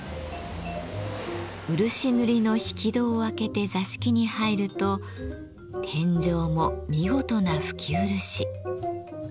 漆塗りの引き戸を開けて座敷に入ると天井も見事な拭き漆。